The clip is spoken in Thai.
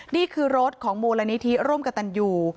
นี่คือรถของมูลนิธิร่วมกับตันยู